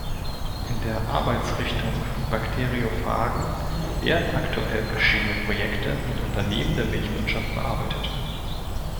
In der Arbeitsrichtung „Bakteriophagen“ werden aktuell verschiedene Projekte mit Unternehmen der Milchwirtschaft bearbeitet.